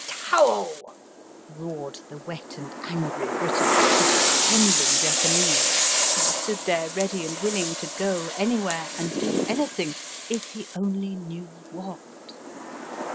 Towel I " roared the wet and angry Briton to the trembling Japanese who stood there ready and willing to go anywhere and do anything, if he only knew what.